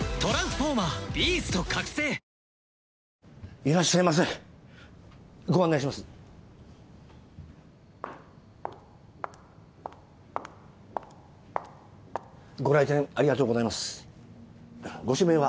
いらっしゃいませご案内しますご来店ありがとうございますご指名は？